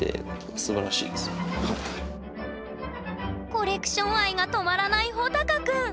コレクション愛が止まらないほたかくん。